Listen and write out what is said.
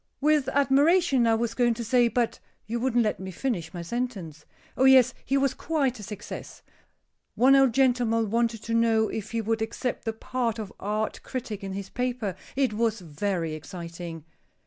"With admiration, I was going to say, but you wouldn't let me finish my sentence. Oh, yes, he was quite a success. One old gentleman wanted to know if he would accept the part of art critic on his paper. It was very exciting."